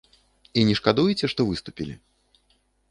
І не шкадуеце, што выступілі?